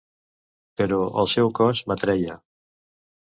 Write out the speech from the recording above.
Però el seu cos m'atreia.